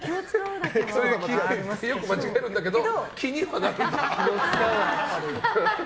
よく間違えるんだけど気にはなるんだ。